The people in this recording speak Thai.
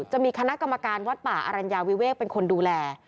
จะมีคณะกรรมการวัดป่าอรัญญาวิเวกเป็นคนดูแล